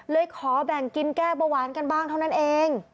ขอแบ่งกินแก้เบาหวานกันบ้างเท่านั้นเอง